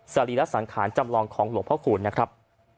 สรีระจำลองของหลวงพระคูณนะครับ